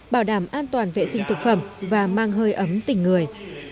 bảo đảm an toàn vệ sinh thực phẩm và mang hơi ấm tình người